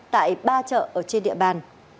tại ba chợ trên địa bàn